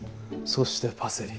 そしてパセリ。